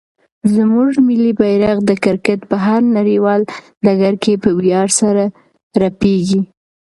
زموږ ملي بیرغ د کرکټ په هر نړیوال ډګر کې په ویاړ سره رپېږي.